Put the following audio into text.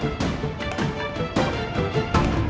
kamu enggak apa apa nanti pulang sendiri